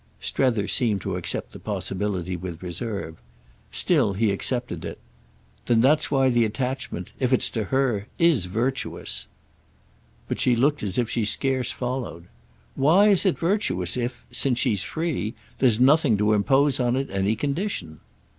Strether seemed to accept the possibility with reserve. Still he accepted it. "Then that's why the attachment—if it's to her—is virtuous." But she looked as if she scarce followed. "Why is it virtuous if—since she's free—there's nothing to impose on it any condition?"